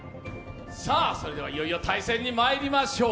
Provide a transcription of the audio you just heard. それでは、いよいよ対戦にまいりましょう。